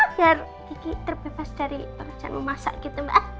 biar kiki terbebas dari percaya memasak gitu mbak